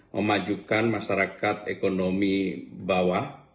memajukan masyarakat ekonomi bawah